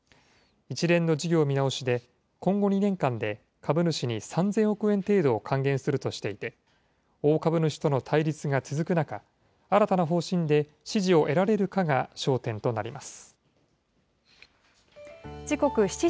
一連の事業見直しで、今後２年間で株主に３０００億円程度を還元するとしていて、大株主との対立が続く中、新たな方針で支持を得られるかが焦点となり